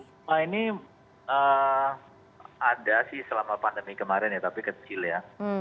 semua ini ada sih selama pandemi kemarin ya tapi kecil ya